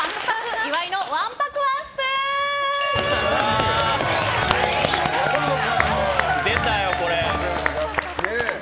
岩井のわんぱくワンスプーン！出たよ、これ。